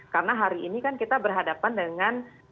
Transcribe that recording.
karena hari ini kan kita berhadapan